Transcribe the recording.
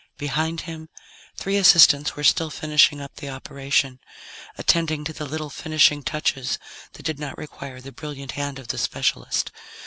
Behind him, three assistants were still finishing up the operation, attending to the little finishing touches that did not require the brilliant hand of the specialist.